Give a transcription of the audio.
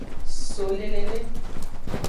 So le lele.